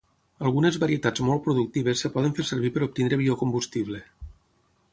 Algunes varietats molt productives es poden fer servir per obtenir biocombustible.